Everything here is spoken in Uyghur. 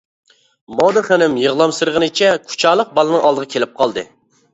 مودا خېنىم يىغلامسىرىغىنىچە كۇچالىق بالىنىڭ ئالدىغان كېلىپ قالدى.